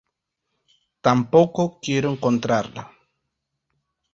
Tampoco quiero encontrarla.